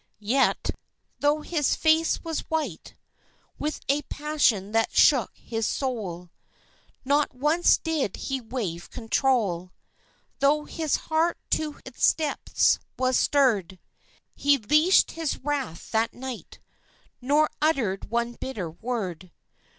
Yet tho' his face was white With a passion that shook his soul Not once did he waive control, Tho' his heart to its depths was stirred He leashed his wrath that night Nor uttered one bitter word.